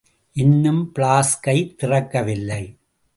இன்னும் பிளாஸ்கை திறக்கவில்லை.